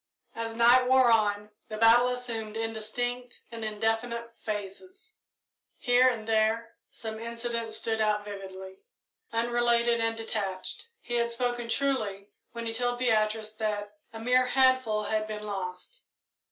As night wore on, the battle assumed indistinct and indefinite phases. Here and there some incident stood out vividly; unrelated and detached. He had spoken truly when he told Beatrice that "a mere handful" had been lost.